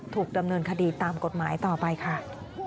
ถูกดำเนินคดีตามกฎหมายต่อไปค่ะ